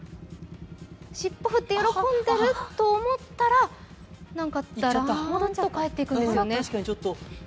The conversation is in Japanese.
尻尾振って喜んでると思ったらなんかダラーンと帰っていくんですよね。